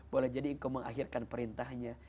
boleh jadi engkau mengakhirkan perintahnya